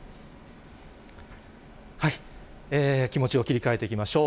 気持ちを切り替えていきましょう。